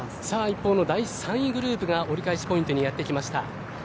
さあ一方の第３位グループが折り返しポイントにやってきました。